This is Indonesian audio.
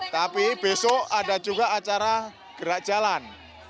tapi besok ada juga acara gerak jalan